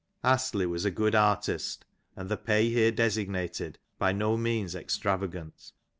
"" Astley was a good artist, and the pay here designated by no means extravagant.